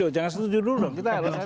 jangan setuju dulu dong